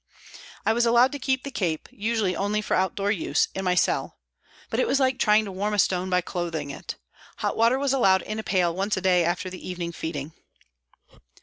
I was allowed to keep the cape, usually only for out door use, in my cell. But it was like trying to warm a stone by clothing it. Hot water was allowed in a pail once a day after the evening feeding.